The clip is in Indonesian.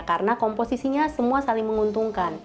karena komposisinya semua saling menguntungkan